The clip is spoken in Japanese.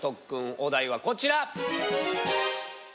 お題はこちら。